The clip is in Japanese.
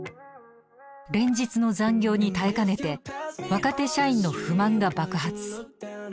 連日の残業に耐えかねて若手社員の不満が爆発。